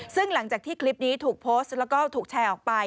ซึ่งหลังจากที่คลิปนี้ถูกโพสต์แล้วก็ถูกแชร์ออกไป